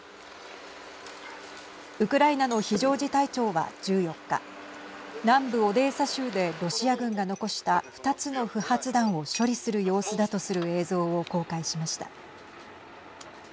ウクライナの非常事態庁は１４日南部オデーサ州でロシア軍が残した２つの不発弾を処理する様子だとする映像を公開しました。